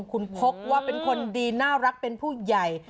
คุณพกว่าเป็นคนดีน่ารักเป็นผู้ใหญ่